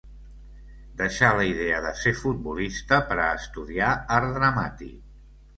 Deixà la idea de ser futbolista per a estudiar art dramàtic.